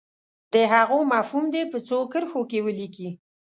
د هغو مفهوم دې په څو کرښو کې ولیکي.